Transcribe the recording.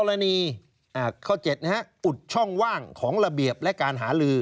กรณีข้อ๗อุดช่องว่างของระเบียบและการหาลือ